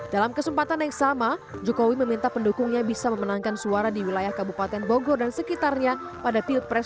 dalam kesempatan yang sama jokowi meminta pendukungnya bisa memenangkan suara di wilayah kabupaten bogor dan sekitarnya pada pilpres dua ribu sembilan belas